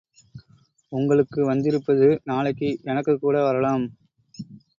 ஒங்களுக்கு வந்திருப்பது நாளைக்கு எனக்குக்கூட வரலாம்.